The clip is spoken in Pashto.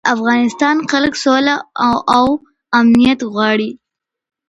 د افغانستان خلک سوله او امنیت غواړي.